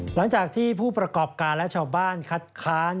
หลังจากที่ผู้ประกอบการและชาวบ้านคัดค้าน